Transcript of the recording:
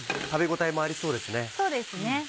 食べ応えもありそうですね。